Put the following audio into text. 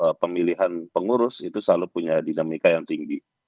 jadi pemilihan pengurus itu selalu punya dinamika yang tinggi